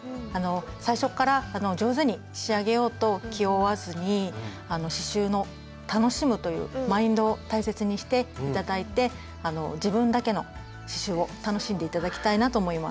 最初っから上手に仕上げようと気負わずに刺しゅうの楽しむというマインドを大切にして頂いて自分だけの刺しゅうを楽しんで頂きたいなと思います。